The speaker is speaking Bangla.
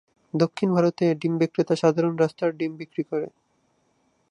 দক্ষিণ ভারতে ডিম বিক্রেতা সাধারণ রাস্তার ডিম বিক্রি করে।